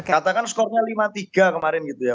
katakan skornya lima tiga kemarin gitu ya